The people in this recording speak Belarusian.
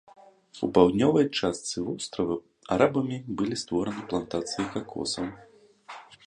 У паўднёвай частцы вострава арабамі былі створаны плантацыі какосаў.